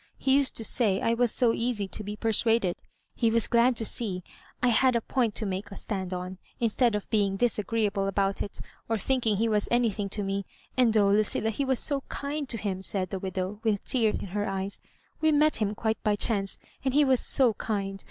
He used to say I was so easy to be persuaded. He was glad to see I had a point to make a stand on, instead of being disagreeable about it, or thinking he was any thing to me. And oh, Lucilla, he was so kind to him," said the widow, with tears in her eyes. "We met him quite by chance, and be was so kind.